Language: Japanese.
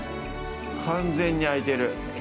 完全に開いてる。